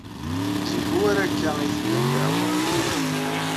Zik ur akka ay tella ddeɛwa.